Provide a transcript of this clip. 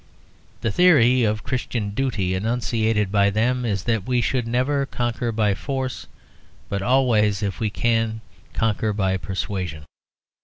The theory of Christian duty enunciated by them is that we should never conquer by force, but always, if we can, conquer by persuasion.